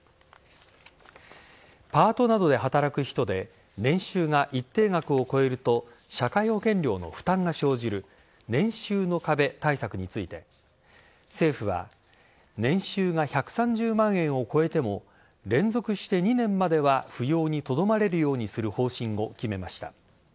パートなどで働く人で年収が一定額を超えると社会保険料の負担が生じる年収の壁対策について政府は年収が１３０万円を超えても連続して２年までは扶養にとどまれるようにする方針を決めました。